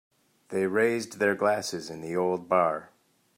They raised their glasses in the old bar.